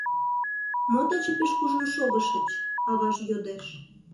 — Мо таче пеш кужун шогышыч? — аваже йодеш.